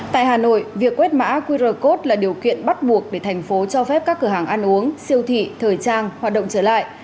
tại hà nội việc quét mã qr code là điều kiện bắt buộc để thành phố cho phép các cửa hàng ăn uống siêu thị thời trang hoạt động trở lại